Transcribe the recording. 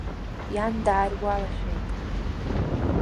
Иан дааргәалашәеит.